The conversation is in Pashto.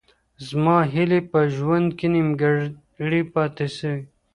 زما هیلې په ژوند کي نیمګړې پاتې سوې.